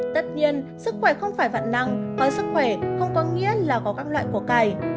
tất nhiên sức khỏe không phải vặn năng có sức khỏe không có nghĩa là có các loại của cải